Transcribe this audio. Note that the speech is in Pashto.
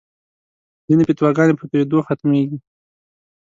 ځینې فتواګانې په تویېدو ختمېږي.